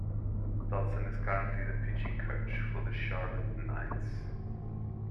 Dotson is currently the pitching coach for the Charlotte Knights.